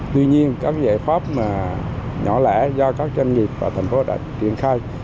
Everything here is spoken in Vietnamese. tuy nhiên các giải pháp nhỏ lẻ do các doanh nghiệp và thành phố đã triển khai